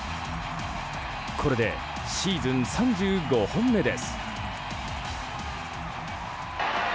これでシーズン３５本目です。